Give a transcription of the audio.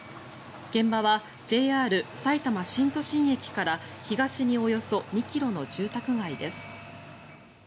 現場はＪＲさいたま新都心駅から東におよそ２ｋｍの住宅街です。